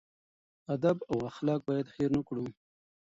ادب او اخلاق باید هېر نه کړو.